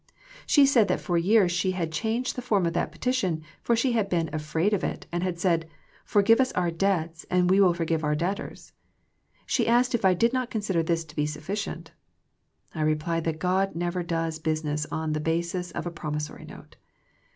She said that for years she had changed the form of that petition for she had been afraid of it, and had said, " Forgive us our debts, and we will forgive our debtors." She asked if I did not consider this to be sufficient. I replied that God never does business on the basis of a promissory note.